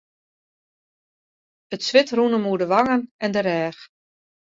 It swit rûn him oer de wangen en de rêch.